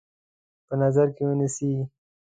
په نظر کې ونیسي.